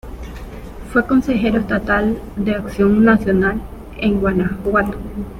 Fue Consejero Estatal de Acción Nacional en Guanajuato.